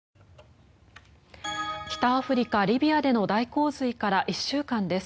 北アフリカ・リビアでの大洪水から１週間です。